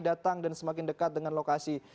datang dan semakin dekat dengan lokasi